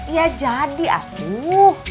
iya jadi aduh